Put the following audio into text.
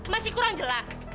masih kurang jelas